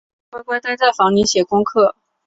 乖乖待在房里写功课